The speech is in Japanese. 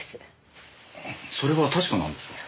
それは確かなんですか？